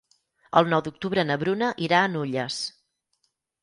El nou d'octubre na Bruna irà a Nulles.